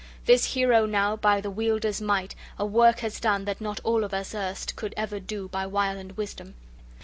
This hero now, by the Wielder's might, a work has done that not all of us erst could ever do by wile and wisdom.